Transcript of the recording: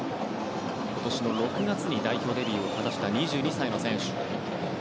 今年の６月に代表入りを果たした２２歳の選手。